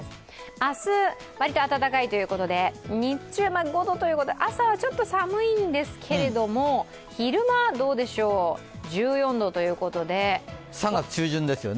明日、割と暖かいということで、５度ということで、朝はちょっと寒いんですけれども昼間はどうでしょう３月中旬ですよね。